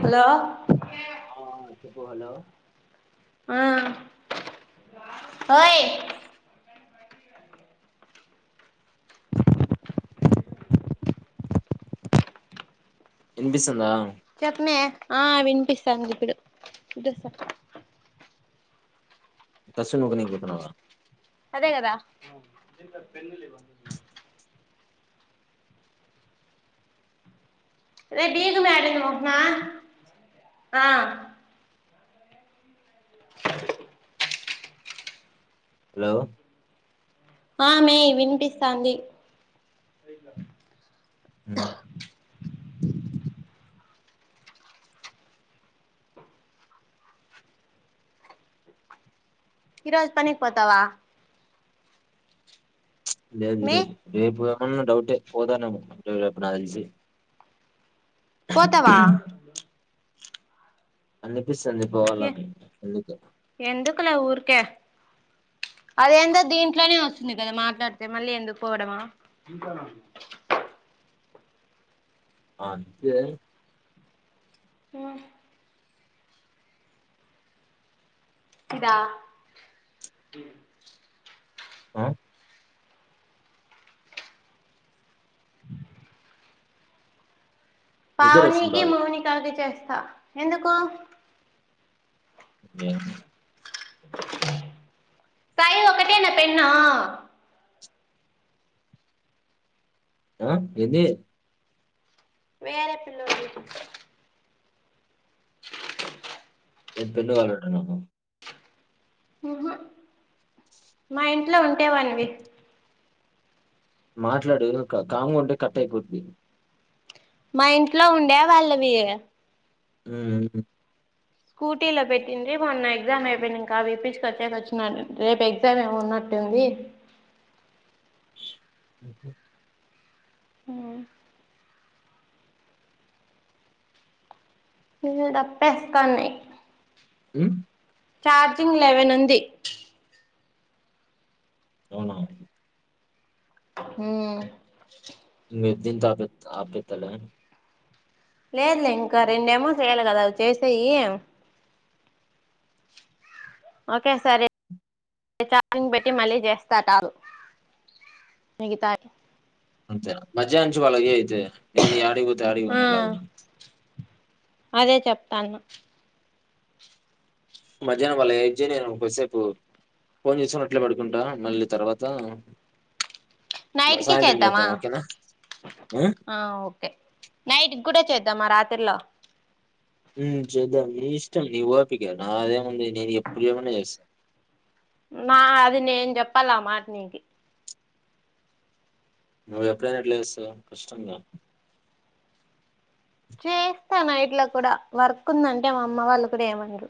Hello ఆ చెప్పు hello ఆ ఓయ్ వినిపిస్తుందా? చెప్నే ఆ వినిపిస్తాంది ఇప్పుడు తస్సును ఊకనీకిపోతున్నావా? న కదా రేయ్ దీపం ఎడుంది మొప్మే ఆ అ అలో ఆ మేయ్ వినిపిస్తాంది ఉమ్, ఈరోజు పనిక్ పోతావా? లేదు ఈ మే రోజు రేపు ఏమన్నా డౌటే పోతానేేమొ రేపు నాకు తెల్సి పోతావా? అనిపిస్తాంది ఏ పోవాలని అందుకు ఎందుకులే ఊరికే అదేందో దీంట్లోనే వచ్చింది కదా మాట్లాడితే మళ్ళీ ఎందుకు పోవడమొ అంతే [unintelligible] ఇదా? ఆ నిద్ర వస్తుంది పావనీకి బాగా మౌనికాకి చేస్తా ఎందుకు? ఏమో? సాయి ఎక్కటేనా పెన్ను ఆ ఏంది? వేర పిల్లోడ్ లే ఎం పెన్ను కావాల్లంటనా ఒహు మా ఇంట్లో ఉంటేవండి మాట్లాడు క కాంగా ఉంటే కట్టైపోద్ది మా ఇంట్లో ఉండే వాళ్ళవి. ఉమ్మ్ స్కూటీలో పెట్టింది మొన్న ఎగ్జామ్ అయిపోయినంకా [unintelligible] రేపు ఎగ్జామ్ ఏమో ఉన్నట్ ఉంది ఉహు ఉమ్ ఈ డప్పెస్ కొండి ఉమ్ ఛార్జింగ్ లెవెన్ ఉంది. అవునా హుమ్మ్ మీద్దిన్న్ [unintelligible] ఆఫ్ చెత్తడా. లేదులే ఇంకా రెండేమో చేయాలి గదా అవి చేసేయ్యి. ఓకే సరే నేన్ ఛార్జింగ్ బెట్టి మళ్ళీ చేస్తా టాలు. మిగతాయి అంతేనా మధ్యాహ్నం నుంచి వాళ్ళకి చెయ్యి అయితే, నేన్ యాడికిపోతే, ఆ ఆడికిపోని ఎలా ఉం అదే చెప్తాన్న. మధ్యాహ్నం వాళ్ళకి [unintelligible] నేను కొద్ది సేపు ఫోన్ చేస్కుని అట్లే పడుకుంటా, మళ్ళీ తర్వాత నైట్కిి సాయంత్రం చేద్దామా, చేద్దాం ఓకేనా ఆ ఓకే. నైట్కి గుడా చేద్దామా, రాతిరీలో ఉమ్ చూద్దాం నీ ఇష్టం నీ ఓపిక, నాదేముంది నేను ఎప్పుడు చెయ్యమన్నా చేస్తా. నా అది నేన్ జెప్పాల, ఆ మాట నీకి. నువ్ ఎపుడైన ఎట్లా చేస్తావ్ కష్టంగా. చేస్తా నైట్ లో కూడా, వర్క్ ఉందంటే మా అమ్మ వాళ్ళు కూడా ఏం అన్రూ.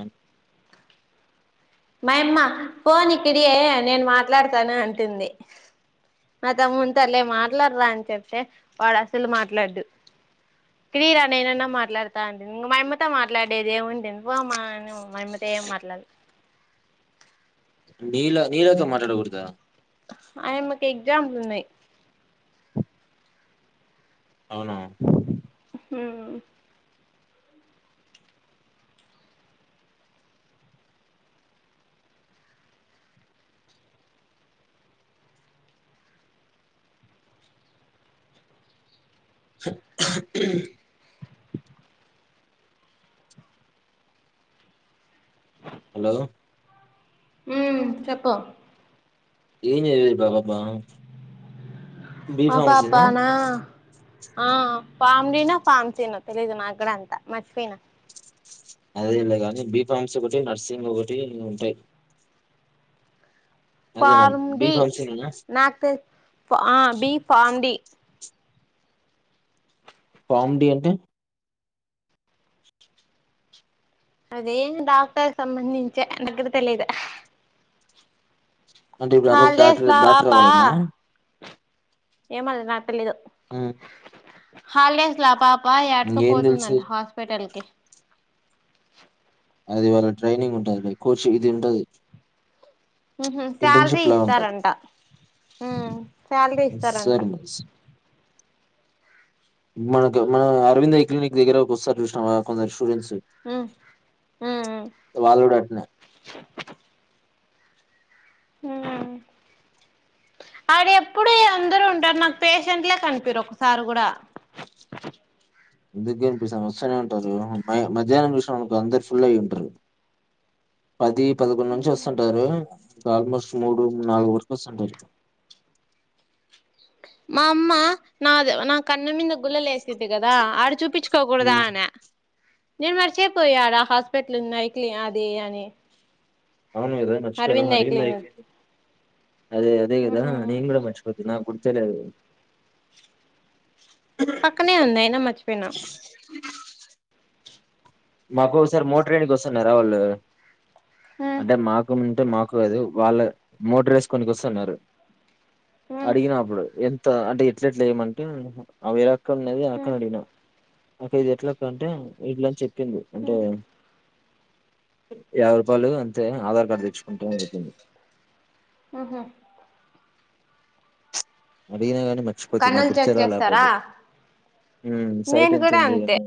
ఉమ్ మా యమ్మ, పోన్ ఇక్కడియే నేను మాట్లాడతాను అంటుంది. మా తమ్మునితో అలె మాట్లాడరా అని చెప్తే, వాడు అసలు మాట్లాడ్డు. ఇక్డీరా నేనన్నా మాట్లాడతా అంటే, మా యమ్మతో మాట్లాడేదే ఏం ఉంటుంది. ఓ మాయన మా యమ్మతో ఏం మాట్లాడ్డు. నీల, నీలతో మాట్లాడకుడదా. ఆ యమ్మీ కి ఎగ్జామ్స్ ఉన్నాయి. అవునా హుమ్ హలో ఉమ్మ్ చెప్పు ఏం చేయాలో [unintelligible] ఆ పాపానా ఆ పామ్ దీనో, పామ్ సినో తెలీదు నాగ్గూడ అంతా, మర్చిపోయినా. అదేలే కాని బి ఫామ్స్ ఒకటి, నర్సింగ్ ఒకటి ఉంటాయి. అదేనా ఫామ్ బి డి, ఫార్మసీ నేనా నాకు B pharm D pharm D అంటే అది డాక్టర్ సంబంధించే, నాగ్గూడ తెలీదు. అంటే ఇప్పుడు ట్యాట్ హాలిడేస్ డాక్టర్ లా డాక్టర్ అవ్వాలనా. ఏమ అది నాక్ తెలిదు. హ్మ్మ్ హాలిడేస్ లో ఆ పాప తెలుసు యాటకపోతుందంటా హాస్పిటల్ కి. అది వాళ్ళ ట్రైనింగ్ ఉంటది లా కోచింగ్ ఇది ఉంటది. శాలరీ ఇంటర్న్షిప్ లా ఉంటది ఇస్తారంటా హ్మ్మ్. సర్మస్. మనకు మన అరవింద క్లినిక్ దగ్గర వస్తారు చూసినవా కొందరు స్టూడెంట్స్. ఉమ్ ఉమ్ వాళ్ళు కూడా అట్నే. అడా ఎప్పుడు అందరూ ఉంటారు నాకు పేషెంట్లే కనిపియరు ఒక్కసారి కూడా. ఎందుకు గనిపిస్త వస్తనే ఉంటారు మ్య మధ్యాహ్నం చూసినవా అందరు ఫుల్ అయి ఉంటారు. పది పదుకొండు నుంచి వస్తుంటారు. ఆల్మోస్ట్ మూడు నాలుగు వరకు వస్సుంటారు. మా అమ్మ నాద్ నా కన్న మీంద గుళ్ళలే. ఇచ్చిందా కదా ఆడ చూపించుకోకూడదా ఉమ్. అనా. నేను మర్చిపోయా ఆడా హాస్పిటల్ ఉన్నాయి కలి అది అని. అవును ఎవరైనా వచ్చిపోయినా అరవింద్ ఐ క్లినిక్ హరిందయి. అదే అదే కదా నేను కూడా మర్చపోతి నాకు గుర్తే లేదు. పక్కనే ఉందాయిన మచ్చిపోయినా. మాకు ఒకసారి మోటర్ ఏయడానికి వస్తున్నారా వాళ్ళు అంటే మాకు ఉంటే మాకు కాదు. వాళ్ళ మోటర్ వేసుకుని నికి వస్తున్నారు అడిగినప్పుడు ఎం. తా అంటే ఎట్లేట్లా ఏయమంటే అ వేరే అక్కా ఉన్నది అక్కని అడిగినా. అక్క ఇది ఎట్లా అక్క అంటే ఇట్లా అని చెప్పింది అంటే. యాబై రూపాయలు అంతే ఆధార్ కార్డ్ ద. అంటే అని చెప్పింది. అడిగిన గాని. మర్చిపోతి నాకు కన్నులు గుర్తే చెక్ రాలే చేస్తారా సైట్ నేను ఎంత కూడా ఉంది అంతే ఏమో.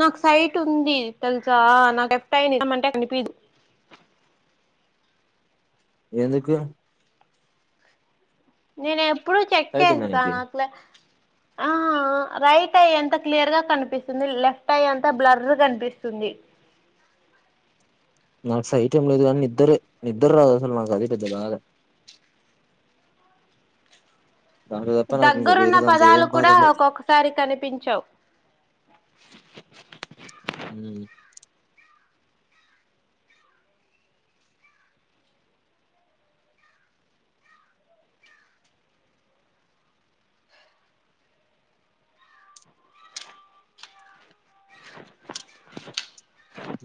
నాకు సైట్ ఉంది తెలుసా నాకు లేఫ్ట్ ఐ ని గానే కనిపియ్యదు. ఎందుకు. నేను ఎప్పుడు చెక్ సైట్ ఉందా చేస్తా నీకి నాకులా ఆ. రైట్ ఐ ఎంత క్లియర్ గా కనిపిస్తుంది లెఫ్ట్ ఐ అంతా బ్లర్ కనిపిస్తుంది. నాకు సైట్ ఏం లేదు కానీ నిద్దర నిద్దరు రాదు అసలు మాకు అదే పెద్ద బాధ. దాంతో తప్ప నాకు ఇంకా దగ్గరున్న వేరే దాంతో ఏం పదాలు బాధా కూడా ఉండదు. ఒక్కొక్కసారి కనిపించవు హ్మ్మ్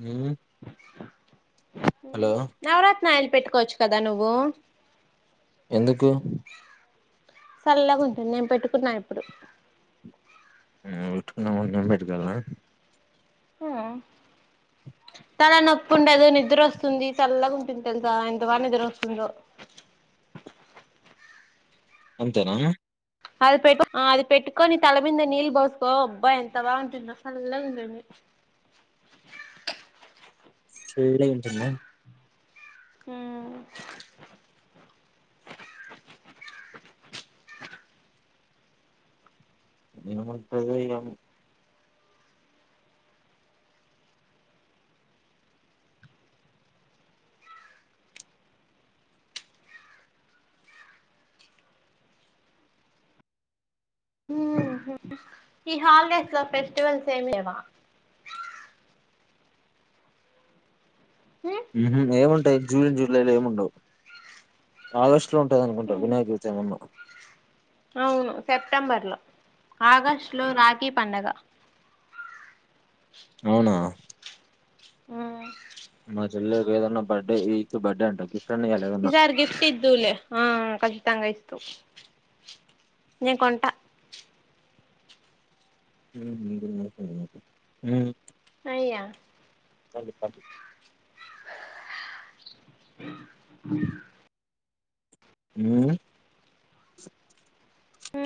హ్మ్మ్ నవరత్ని ఆయిలు పెట్టుకోవచ్చు కదా నువ్వు. ఎందుకు సల్లాగా ఉంటుంది నేను పెట్టుకున్నా ఇప్పుడు. నీవు పెట్టుకున్నావు కానీ నేను పెట్టుకోవాలా హ్మ్మ్ తల నొప్పి ఉండదు నిద్ర వస్తుంది చల్లగా ఉంటుంది తెలుసా ఎంత బాగా నిద్ర వస్తుందో. అంతేనా అది పెట్టు అది పెట్టుకోని తల మీంద నీళ్ల్ పోసుకో అబ్బా ఎంత బాగుంటుందో చల్లగా ఉంటుంది [unintelligible] హ ఏముంటదో ఇగ ఈ హాలిడేస్ లో ఫెస్టివల్స్ ఏమిలేవ ఏముంటాయి జూన్ జూలైలో ఏముండవు ఆగ [unintelligible] ఉంటాది అనుకుంట వినాయక చవితి ఏమన్నా అవును సెప్టెంబర్ లో ఆగస్ట్ లో రాఖీ పండగ అవునా ఆ మా జ [unintelligible] కి ఏదన్నా బర్డే ఈ బర్డే అంటా ఈ సారి గిఫ్ట్ ఇద్దవులే ఆ కచితంగ నేను కొంట హూ అయ్యా [unintelligible] హు హు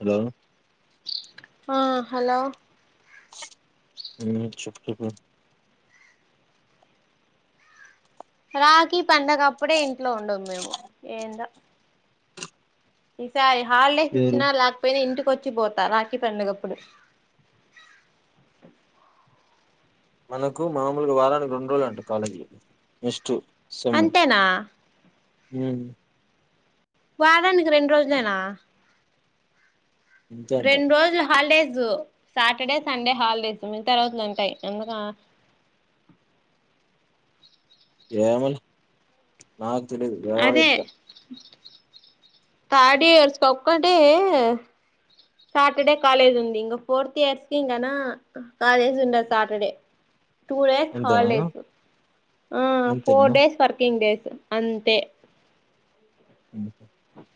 హలో ఆ హలో హు చెప్పు చెప్పు రాఖీ పండగ అప్పుడే ఇంట్లో ఉండము మేము ఎందో ఈసారి హాలిడేస్ ఎవరు? ఇచ్చిన లేకపోయినా ఇంటి వచ్చిపోతా రాఖీ పండగప్పుడు మనకు మామూలుగ వారానికి రెండు రోజులు అంట కకాలేజ్ నెస్ట్ అంతేనా హు వారానికి రెండు రోజులేనా అంతే అంట. రెండు రోజులు హాలిడే సాటర్డే సండే హాలిడేస్ మిగిత రోజులు వుంటాయి ఎందుక అదే [unintelligible] థర్డ్ ఇయర్స్ కొక్కటే సాటర్డే కాలేజ్ ఉంది ఇంగ ఫోర్త్ ఇయర్స్కి గన కాలేజ్ ఉండదు సాటర్డే టూ డేస్ అంతేనా? హాలిడేస్ ఆ అంతేనా? ఫోర్ డేస్ వర్కింగ్ డేస్ అంతే [unintelligible]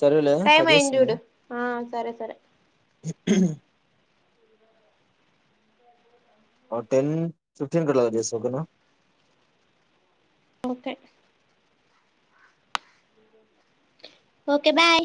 సరేలే టైమ్ కట్ అయ్యింది చేస్తున్నా. చూడు ఆ సరే సరే టెన్ ఫిఫ్టీన్ కట్ చేస్త ఓకేన ఓకే ఓకే బాయ్